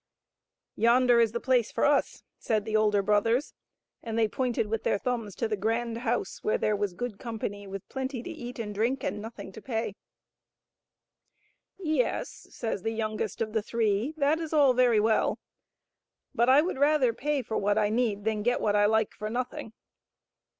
" Yonder is the place for us," said the older brothers, and they pointed with their thumbs to the grand house, where there was good company with plenty to eat and drink and nothing to pay. " Yes," says the youngest of the three, " that is all very well, but I would rather pay for what I need than get what I like for nothing."